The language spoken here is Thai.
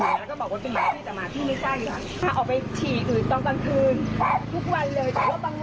แล้วก็บอกว่าเป็นหมาที่แต่หมาที่ไม่ได้เลยค่ะถ้าออกไปฉี่อื่นตอนกลางคืน